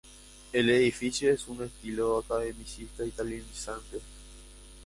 El edificio es de un estilo academicista italianizante.